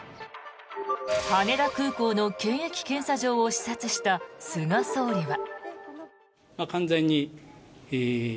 羽田空港の検疫検査場を視察した菅総理は。